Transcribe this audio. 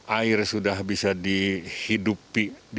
air sudah bisa dihidupi